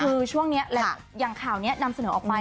คือช่วงนี้อย่างข่าวนี้นำเสนอออกมา